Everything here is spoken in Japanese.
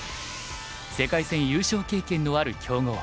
世界戦優勝経験のある強豪。